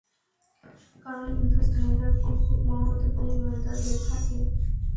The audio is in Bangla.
কারণ হিন্দুস্তানিরা কি খুব মহৎ এবং ইমানদার হয়ে থাকে?